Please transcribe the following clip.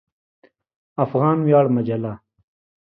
افغان ویاړ مجله